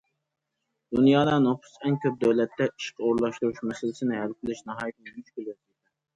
دۇنيادا نوپۇسى ئەڭ كۆپ دۆلەتتە ئىشقا ئورۇنلاشتۇرۇش مەسىلىسىنى ھەل قىلىش ناھايىتىمۇ مۈشكۈل ۋەزىپە.